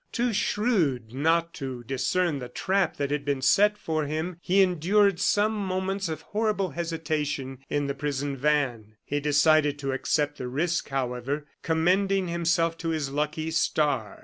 Too shrewd not to discern the trap that had been set for him, he endured some moments of horrible hesitation in the prison van. He decided to accept the risk, however, commending himself to his lucky star.